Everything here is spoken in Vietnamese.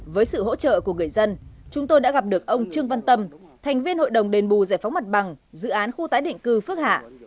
với sự hỗ trợ của người dân chúng tôi đã gặp được ông trương văn tâm thành viên hội đồng đền bù giải phóng mặt bằng dự án khu tái định cư phước hạ